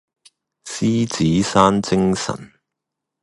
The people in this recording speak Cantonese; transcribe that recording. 獅子山精神